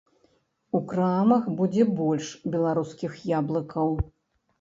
У крамах будзе больш беларускіх яблыкаў.